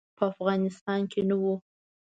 په افغانستان کې نه وو.